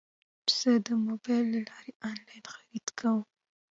زه د موبایل له لارې انلاین خرید کوم.